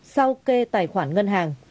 sau kê tài khoản ngân hàng